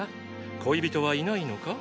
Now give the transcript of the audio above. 恋人はいないのか？